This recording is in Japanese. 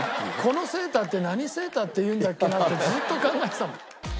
このセーターって何セーターっていうんだっけな？ってずっと考えてたもん。